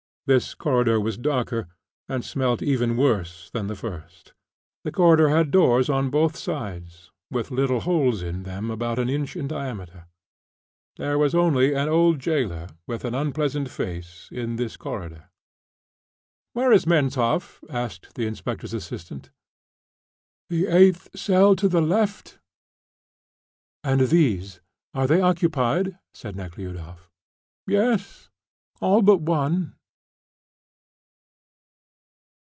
This corridor was darker, and smelt even worse than the first. The corridor had doors on both sides, with little holes in them about an inch in diameter. There was only an old jailer, with an unpleasant face, in this corridor. "Where is Menshoff?" asked the inspector's assistant. "The eighth cell to the left." "And these? Are they occupied?" asked Nekhludoff. "Yes, all but one."